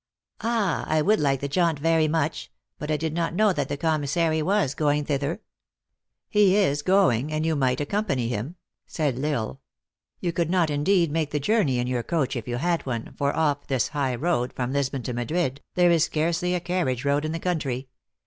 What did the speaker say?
"Ah! I would like the jaunt very much. But I tHd not know that the commissary was going thither." "He is going, and you might accompany him," said L Isle. " You could not indeed make the journey in your coach if you had one, for off this high road, THE ACTRESS IN HIGH LIFE. 113 from Lisbon to Madrid, there is scarcely a carriage road in the country.